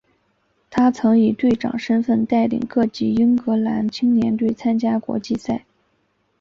他曾以队长身份带领各级英格兰青年队参加国际赛。